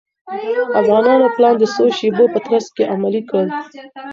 افغانانو پلان د څو شېبو په ترڅ کې عملي کړ.